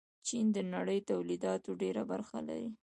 چین د نړۍ تولیداتو ډېره برخه لري.